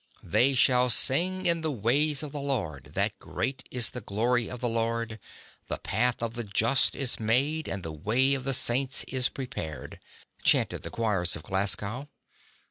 "They shall sing in the ways of the Lord that great is the glory of the Lord : the path of the just is made, and the way of the saints is prepared" — chanted the choirs of Glasgow.